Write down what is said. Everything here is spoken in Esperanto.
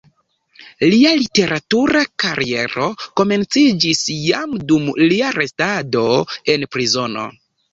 Lia literatura kariero komenciĝis jam dum lia restado en prizono.